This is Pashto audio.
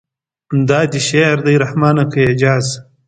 دا دې شعر دی رحمانه که اعجاز.